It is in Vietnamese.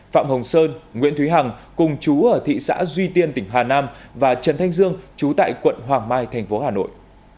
phạm hồng sơn nguyễn thúy hằng cùng chú ở thị xã duy tiên tỉnh hà nam và trần thanh dương trú tại quận hoàng mai thành phố hà nội